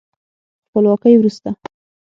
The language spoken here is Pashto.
خپلواکۍ وروسته